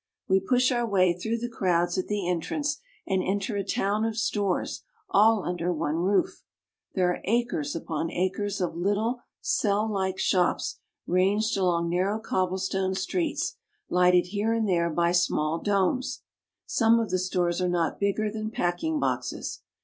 We push our way through the crowds at the entrance, and enter a town of stores all under one roof. There are acres upon acres of little cell like shops ranged along narrow cobble stone streets, lighted here and there by small domes. Some of the stores are not bigger than packing boxes.